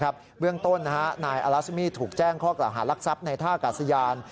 เบื้องต้นนายอลัสมี่ถูกแจ้งข้อกล่าวหารักทรัพย์ในท่ากาศยาน